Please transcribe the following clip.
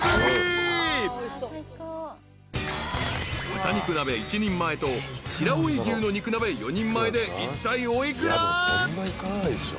［豚肉鍋１人前と白老牛の肉鍋４人前でいったいお幾ら？］